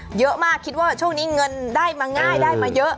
เยอะมากคิดว่าช่วงนี้เงินได้มาง่ายได้มาเยอะ